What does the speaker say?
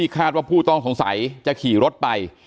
คาดว่าผู้ต้องสงสัยจะขี่รถไป